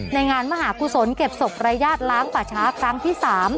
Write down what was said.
ในงานมหากุศลเก็บศพรายญาติล้างป่าช้าครั้งที่๓